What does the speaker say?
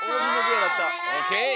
オッケー！